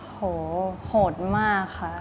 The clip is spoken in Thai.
โหดมากค่ะ